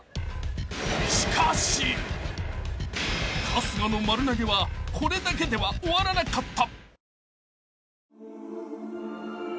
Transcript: ［春日の丸投げはこれだけでは終わらなかった］